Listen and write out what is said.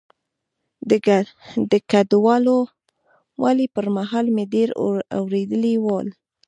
د کډوالۍ پر مهال مې ډېر اورېدلي ول.